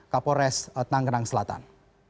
kapolres tenang tenang selatan